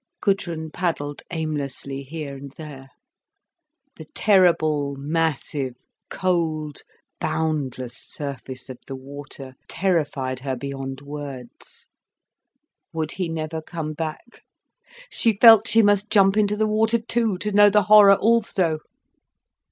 Gudrun paddled aimlessly here and there. The terrible, massive, cold, boundless surface of the water terrified her beyond words. Would he never come back? She felt she must jump into the water too, to know the horror also.